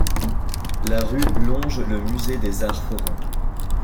La rue longe le musée des Arts forains.